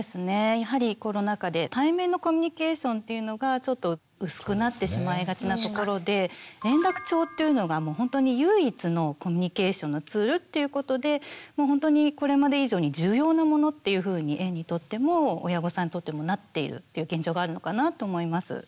やはりコロナ禍で対面のコミュニケーションっていうのがちょっと薄くなってしまいがちなところで連絡帳っていうのがもうほんとに唯一のコミュニケーションのツールっていうことでもうほんとにこれまで以上に重要なものっていうふうに園にとっても親御さんにとってもなっているっていう現状があるのかなって思います。